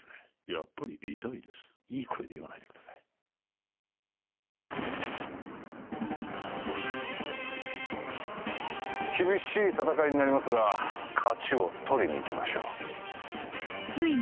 やっぱり痛いですいい声で言わないでください厳しい戦いになりますが勝ちを取りにいきましょう